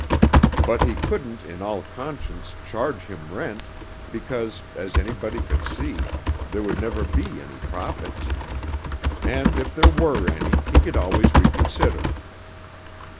But he couldn't in all conscience charge him rent because, as anybody could see, there would never be any profits. And if there were any, he could always reconsider.